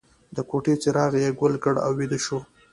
د کوټې څراغ یې ګل کړ او ویده شو